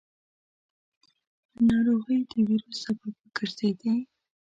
ناروغۍ د وېرو سبب وګرځېدې.